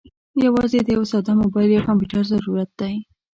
یوازې د یوه ساده موبايل یا کمپیوټر ضرورت دی.